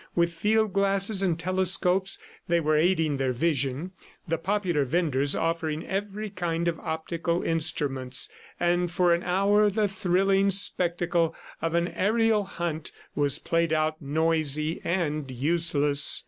With field glasses and telescopes they were aiding their vision, the popular venders offering every kind of optical instruments and for an hour the thrilling spectacle of an aerial hunt was played out, noisy and useless.